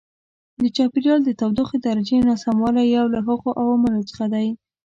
د چاپېریال د تودوخې درجې ناسموالی یو له هغو عواملو څخه دی.